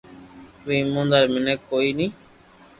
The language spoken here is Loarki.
تو ايموندار مينک ڪوئي ني